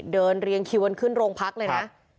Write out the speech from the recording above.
เรียงคิวกันขึ้นโรงพักเลยนะ